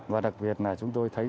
và đặc biệt là chúng tôi thấy là